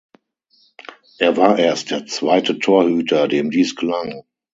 Er war erst der zweite Torhüter, dem dies gelang.